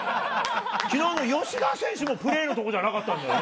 きのうの吉田選手も、プレーのことじゃなかったんだよね。